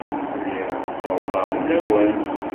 Lliɣ ttawḍeɣ deg lawan.